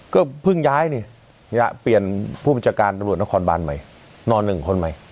ก็เพิ่งย้ายนี่เปลี่ยนผู้บัญชาการตำรวจนครบานใหม่นอนหนึ่งคนใหม่